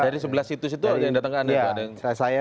dari sebelah situs itu yang datang ke anda